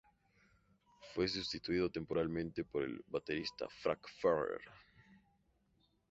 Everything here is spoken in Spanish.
Fue sustituido temporalmente por el baterista Frank Ferrer.